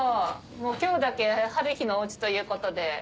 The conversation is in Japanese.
今日だけはるひのおうちということで。